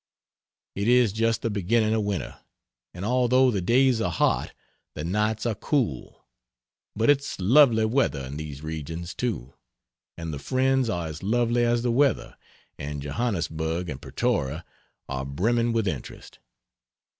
It is just the beginning of winter, and although the days are hot, the nights are cool. But it's lovely weather in these regions, too; and the friends are as lovely as the weather, and Johannesburg and Pretoria are brimming with interest.